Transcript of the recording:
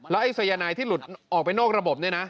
ไอ้สายนายที่หลุดออกไปนอกระบบเนี่ยนะ